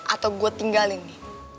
atau gue tinggalin nih